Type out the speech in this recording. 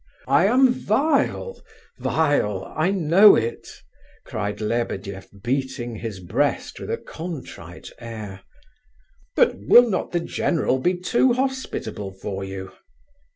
"I am vile, vile; I know it!" cried Lebedeff, beating his breast with a contrite air. "But will not the general be too hospitable for you?"